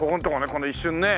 この一瞬ね。